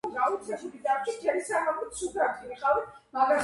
ეს ზონა, საომარი მოქმედების სტანდარტის ქვედა ზღვრამდეა.